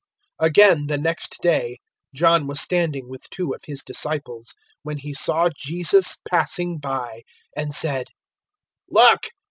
001:035 Again the next day John was standing with two of his disciples, 001:036 when he saw Jesus passing by, and said, "Look!